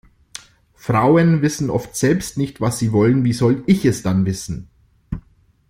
Frauen wissen oft selbst nicht, was sie wollen, wie soll ich es dann wissen?